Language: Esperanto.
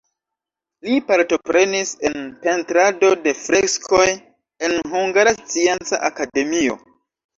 Li partoprenis en pentrado de freskoj en Hungara Scienca Akademio.